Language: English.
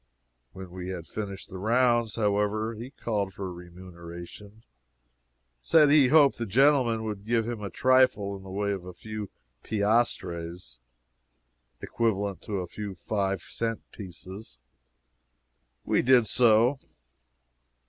When we had finished the rounds, however, he called for remuneration said he hoped the gentlemen would give him a trifle in the way of a few piastres (equivalent to a few five cent pieces.) We did so.